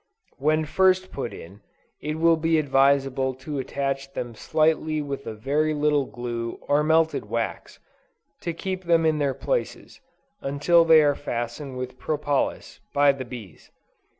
When first put in, it will be advisable to attach them slightly with a very little glue or melted wax, to keep them in their places, until they are fastened with propolis, by the bees.